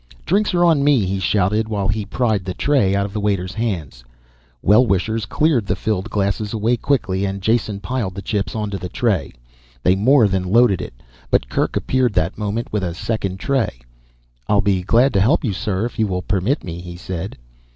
"Drinks are on me," he shouted while he pried the tray out of the waiter's hands. Well wishers cleared the filled glasses away quickly and Jason piled the chips onto the tray. They more than loaded it, but Kerk appeared that moment with a second tray. "I'll be glad to help you, sir, if you will permit me," he said.